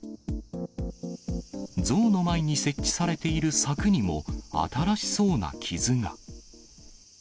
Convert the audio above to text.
像の前に設置されている柵にも、新しそうな傷が。